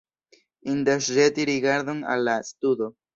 Indas ĵeti rigardon al la studo.